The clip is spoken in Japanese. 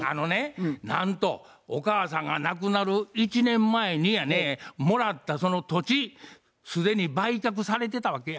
なんとお母さんが亡くなる１年前にやねもらったその土地既に売却されてたわけや。